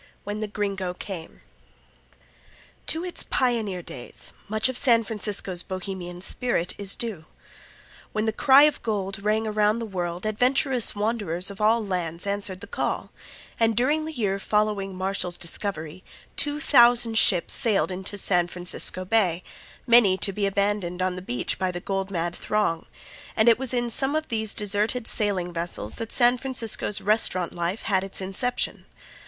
When the Gringo Came To its pioneer days much of San Francisco's Bohemian spirit is due. When the cry of "Gold" rang around the world adventurous wanderers of all lands answered the call, and during the year following Marshall's discovery two thousand ships sailed into San Francisco Bay, many to be abandoned on the beach by the gold mad throng, and it was in some of these deserted sailing vessels that San Francisco's restaurant life had its inception.